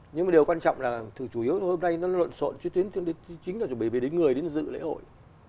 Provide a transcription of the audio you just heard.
nhưng mà điều quan trọng là chủ yếu hôm nay nó lộn xộn chứ chính là chuẩn bị người đến dự lễ hội